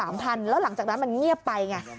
แล้วหลังจากนั้นมันเงียบไปไง